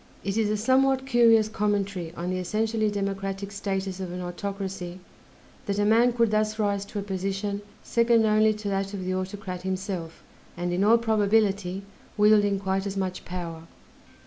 It is a somewhat curious commentary on the essentially democratic status of an autocracy that a man could thus rise to a position second only to that of the autocrat himself; and, in all probability, wielding quite as much power.